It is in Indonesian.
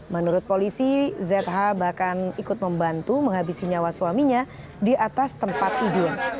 menurut polisi zh bahkan ikut membantu menghabisi nyawa suaminya di atas tempat tidur